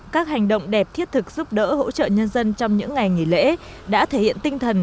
các hành động đẹp thiết thực giúp đỡ hỗ trợ nhân dân trong những ngày nghỉ lễ đã thể hiện tinh thần